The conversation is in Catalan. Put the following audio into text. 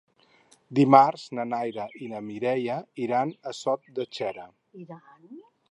Dimarts na Neida i na Mireia iran a Sot de Xera.